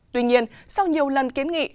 tuy nhiên sau nhiều lần kiến thức